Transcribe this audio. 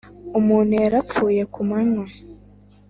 umuntu yarapfuye kumanywa